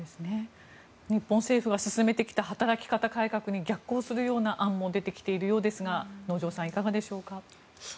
日本政府が進めてきた働き方改革に逆行するような案も出てきているようですが能條さん、いかがでしょうか。